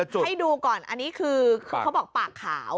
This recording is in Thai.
ให้ดูก่อนอันนี้คือเขาบอกปากขาว